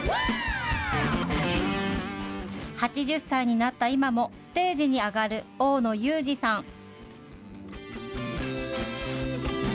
８０歳になった今もステージに上がる大野雄二さん。